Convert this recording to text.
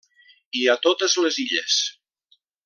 I a totes les Illes.